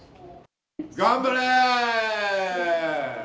頑張れ！